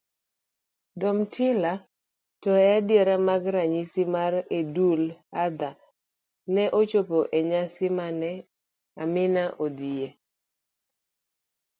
Domtila to ediere mag nyasi mar eidul Adhaa ne ochopo enyasi mane Amina odhiye.